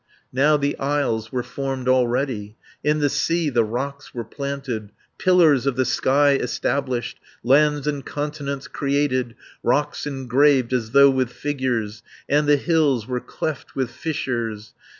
280 Now the isles were formed already, In the sea the rocks were planted; Pillars of the sky established, Lands and continents created; Rocks engraved as though with figures, And the hills were cleft with fissures.